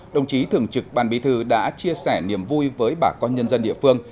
đồng chí thường trực ban bí thư đã chia sẻ niềm vui với bà con nhân dân địa phương